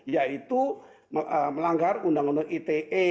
yaitu melanggar undang undang ite